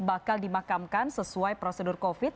bakal dimakamkan sesuai prosedur covid